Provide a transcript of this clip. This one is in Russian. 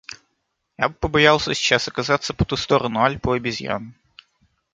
Я бы побоялся сейчас оказаться по ту сторону Альп у обезьян.